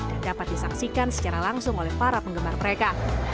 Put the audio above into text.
dan dapat disaksikan secara langsung oleh para penggemar mereka